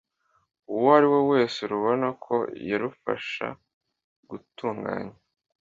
uwo ari we wese rubona ko yarufasha gutunganya